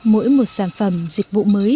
mỗi một sản phẩm dịch vụ mới